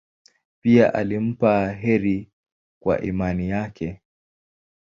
Pia alimpa heri kwa imani yake.